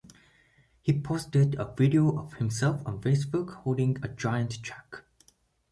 He posted a video of himself on Facebook holding a giant check...